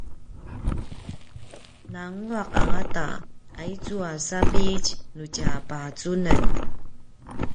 nanguaq angata aicu a sapitj nu tja pacunen